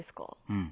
うん。